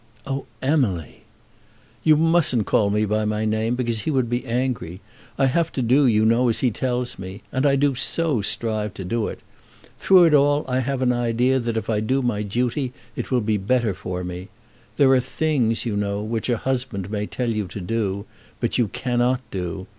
"Oh, Emily!" "You mustn't call me by my name, because he would be angry. I have to do, you know, as he tells me. And I do so strive to do it! Through it all I have an idea that if I do my duty it will be better for me. There are things, you know, which a husband may tell you to do, but you cannot do.